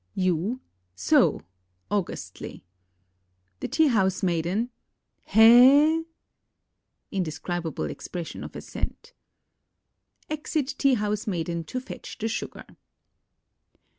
You. So, augustly. The T.H.M. He (indescribable expression of assent). {Exit tea house maiden to fetch the sugar.)